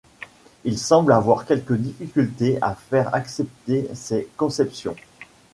Il semble avoir quelques difficultés à faire accepter ses conceptions.